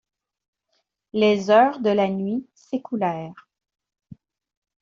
Les heures de la nuit s’écoulèrent.